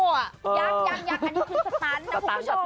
ยังยังยังอันนี้คือสตันต์นะครับคุณผู้ชม